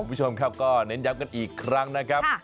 คุณผู้ชมครับก็เน้นย้ำกันอีกครั้งนะครับ